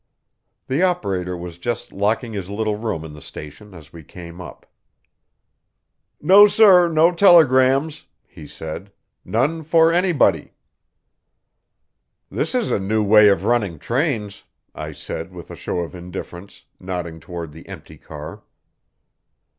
The operator was just locking his little room in the station as we came up. "No, sir, no telegrams," he said; "none for anybody." "This is a new way of running trains," I said with a show of indifference, nodding toward the empty car.